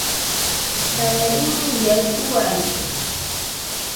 Dane uruaiaɨ uaide.